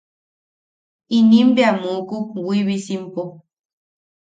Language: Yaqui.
Inim bea muukuk Wiibisimpo.